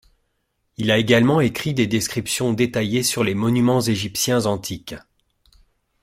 Il a également écrit des descriptions détaillées sur les monuments égyptiens antiques.